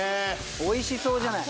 おいしそうじゃない。